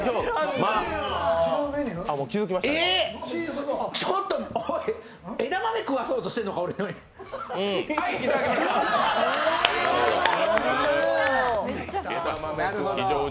えっ、ちょっとおい枝豆食わそうとしてるのか、俺に。